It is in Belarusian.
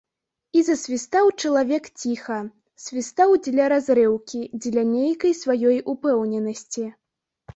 І засвістаў чалавек ціха, свістаў дзеля разрыўкі, дзеля нейкай сваёй упэўненасці.